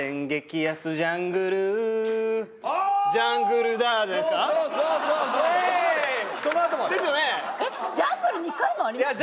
えっ「ジャングル」２回もありました？